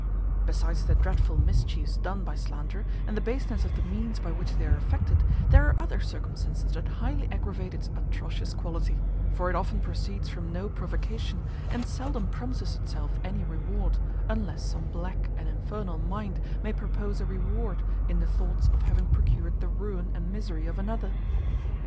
Besides the dreadful mischiefs done by slander, and the baseness of the means by which they are effected, there are other circumstances that highly aggravate its atrocious quality; for it often proceeds from no provocation, and seldom promises itself any reward, unless some black and infernal mind may propose a reward in the thoughts of having procured the ruin and misery of another.